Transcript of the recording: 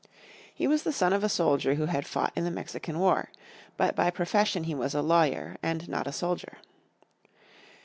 He was the son of a soldier who had fought in the Mexican War. But by profession he was a lawyer and not a soldier.